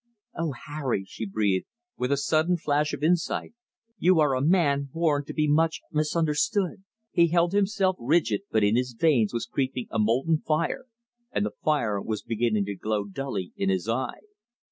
"Oh, Harry," she breathed, with a sudden flash of insight, "you are a man born to be much misunderstood." He held himself rigid, but in his veins was creeping a molten fire, and the fire was beginning to glow dully in his eye.